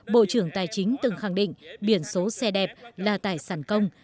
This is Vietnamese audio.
bộ trưởng tài chính từng khẳng định biển số xe đẹp là tài sản công